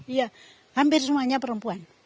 iya hampir semuanya perempuan